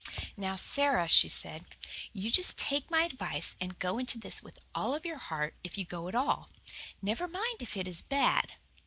"Now, Sara," she said, "you just take my advice and go into this with all your heart if you go at all. Never mind if it is bad.